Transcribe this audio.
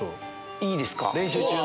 いいですか？